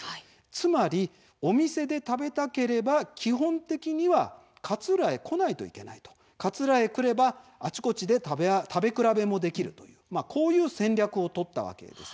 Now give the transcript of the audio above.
つまり、お店で食べたければ基本的には勝浦へ来ないといけない勝浦へ来れば、あちこちで食べ比べもできるこういう戦略を取ったわけです。